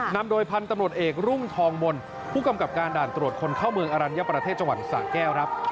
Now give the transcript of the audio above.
นำโดยพันธุ์ตำรวจเอกรุ่งทองมนต์ผู้กำกับการด่านตรวจคนเข้าเมืองอรัญญประเทศจังหวัดสะแก้วครับ